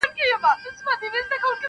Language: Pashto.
داسي سفردی پرنمبرباندي وردرومي هرڅوک.